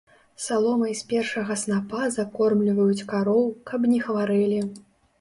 Саломай з першага снапа закормліваюць кароў, каб не хварэлі.